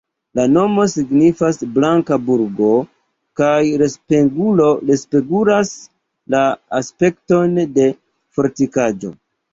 La nomo signifas "blanka burgo" kaj respegulas la aspekton de fortikaĵo.